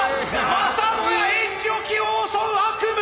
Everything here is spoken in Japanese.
またもやＨ置を襲う悪夢！